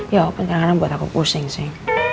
ya kenapa buat aku pusing sih